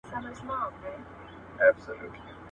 بهرنیان د زعفرانو لیدلو ته راځي.